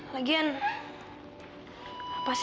lagian apa sih yang kamu cari